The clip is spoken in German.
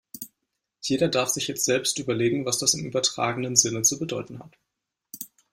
Jeder darf sich jetzt selbst überlegen, was das im übertragenen Sinne zu bedeuten hat.